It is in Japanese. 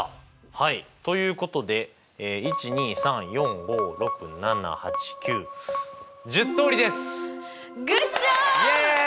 はいということで１２３４５６７８９イエイ！